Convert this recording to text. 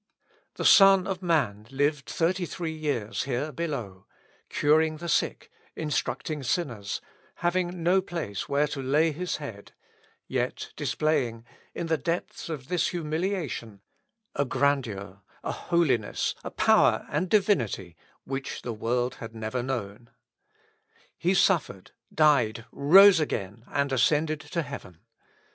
The Son of man lived thirty three years here below, curing the sick, instructing sinners, having no place where to lay his head, yet displaying, in the depth of this humiliation, a grandeur, a holiness, a power, and divinity, which the world had never known. He suffered, died, rose again, and ascended to heaven.